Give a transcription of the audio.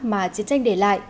mà chiến tranh để lại